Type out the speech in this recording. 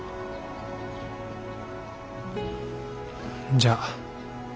じゃあ。